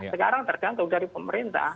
sekarang tergantung dari pemerintah